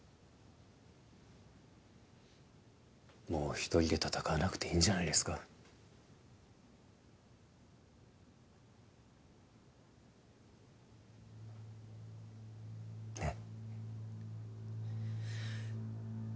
もう１人で闘わなくていいんじゃないですねっ。